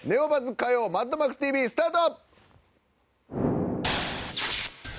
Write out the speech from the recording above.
火曜マッドマックスＴＶ」スタート！